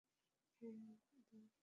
এবং, হ্যালো বলা!